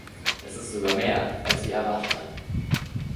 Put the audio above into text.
Das ist sogar mehr, als wir erwartet hatten.